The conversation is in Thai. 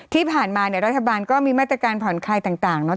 ที่ผ่านมาเนี่ยรัฐบาลก็มีมาตรการผ่อนคลายต่างเนาะ